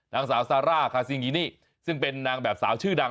นางสาวซาร่าคาซิงอีนี่ซึ่งเป็นนางแบบสาวชื่อดัง